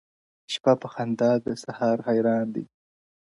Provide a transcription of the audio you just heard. شپه په خندا ده، سهار حیران دی،